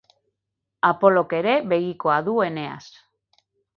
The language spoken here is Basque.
Apolok ere begikoa du Eneas.